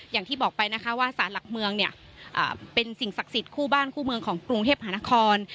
อย่างที่บอกไปนะคะว่าสารหลักเมืองเนี่ยเป็นสิ่งศักดิ์สิทธิ์คู่บ้านคู่เมืองของกรุงเทพหานคร